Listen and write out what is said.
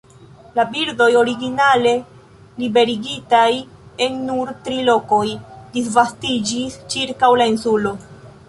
La birdoj, originale liberigitaj en nur tri lokoj, disvastiĝis ĉirkaŭ la insulo.